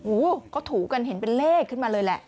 โอ้โหเขาถูกันเห็นเป็นเลขขึ้นมาเลยแหละ